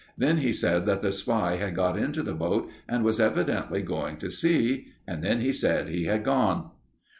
Then he said that the spy had got into the boat and was evidently going to sea. And then he said he had gone.